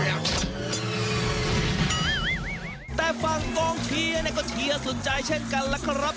แต่ฟังรองเทียร์เนี่ยก็เทียสนใจเช่นกันแล้วครับ